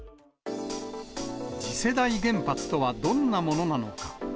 次世代原発とはどんなものなのか。